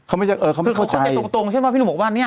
เขาไม่เข้าใจคือเขาเข้าใจตรงเช่นว่าพี่หนูบอกว่าเนี่ย